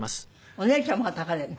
お姉ちゃんもはたかれるの？